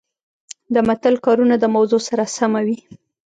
د متل کارونه د موضوع سره سمه وي